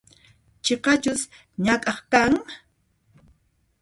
Chiqachus ñak'aq kan?